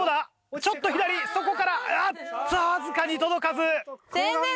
ちょっと左そこからあっとわずかに届かず。